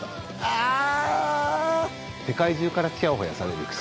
ああ。